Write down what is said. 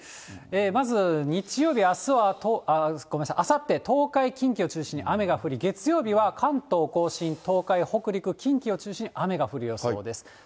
まず日曜日、あさって、東海、近畿を中心に雨が降り、月曜日は関東甲信、東海、北陸、近畿を中心に雨が降る予想です。